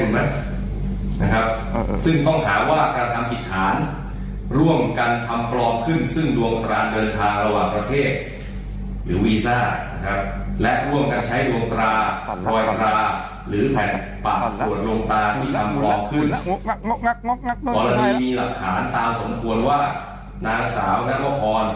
ได้หรือน่าจะได้กับทำความมิตรอายาทซึ่งมีหักฐานโทษกับทุกอย่างสูงเกิน๓